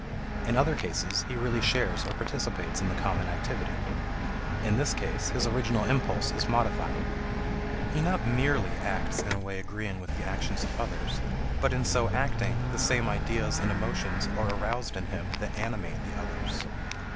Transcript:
In other cases, he really shares or participates in the common activity. In this case, his original impulse is modified. He not merely acts in a way agreeing with the actions of others, but, in so acting, the same ideas and emotions are aroused in him that animate the others.